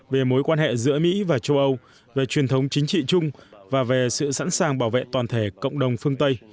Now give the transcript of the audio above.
về mối quan hệ giữa mỹ và châu âu về truyền thống chính trị chung và về sự sẵn sàng bảo vệ toàn thể cộng đồng phương tây